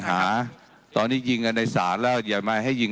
ผมก็อ้างข้อบังคับเช่นเดียวกัน